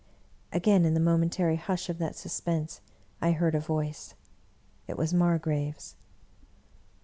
Again, in the momentary hush of that suspense, I heard a voice — it was Margrave's.